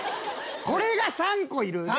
これが３個いる。